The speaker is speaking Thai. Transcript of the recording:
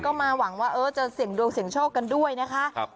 ก็มาหวังว่าจะเสี่ยงดวงเสี่ยงโชคกันด้วยนะคะ